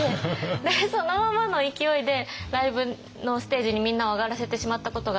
でそのままの勢いでライブのステージにみんなを上がらせてしまったことがあって。